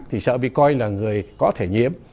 thì sợ bị coi là người có thể nhiễm